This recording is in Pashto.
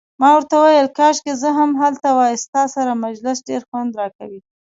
ما ورته وویل: کاشکي زه هم هلته وای، ستا سره مجلس ډیر خوند راکوي.